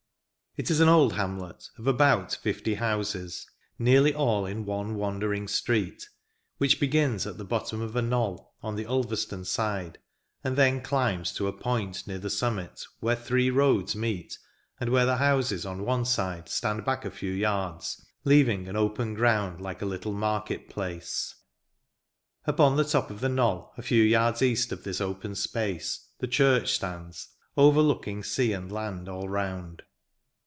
It is an old hamlet, of about fifty houses, nearly all in one wandering street, which begins at the bottom of a knoll, on the Ulverstone side, and then climbs to a point near the summit, where three roads meet, and where the houses on one side stand back a few yards, leaving an open ground like a little market place. Upon the top of the knoll, a few yards east of this open space, the church stands, overlooking sea and land all round.